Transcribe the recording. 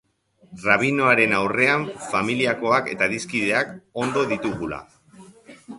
Rabinoaren aurrean, familiakoak eta adiskideak ondoan ditugula.